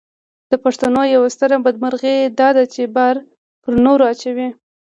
د پښتنو یوه ستره بدمرغي داده چې بار پر نورو اچوي.